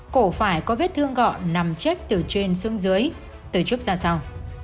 cổ phải có vết thương gọn nằm chết từ trên xương dưới từ trước ra sau